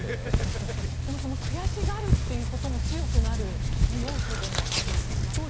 でもその悔しがることも強くなる要素でもありますよね。